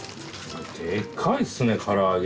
でかいっすね唐揚げ。